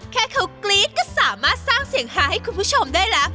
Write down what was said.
แค่เขากรี๊ดก็สามารถสร้างเสียงฮาให้คุณผู้ชมได้แล้ว